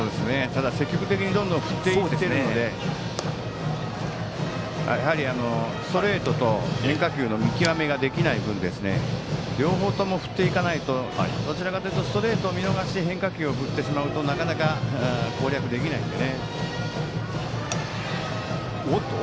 ただ、積極的にどんどん振っていってるのでやはりストレートと変化球の見極めができない分両方とも振っていかないとどちらかというとストレートを見送って変化球を狙ってしまうとなかなか攻略できないので。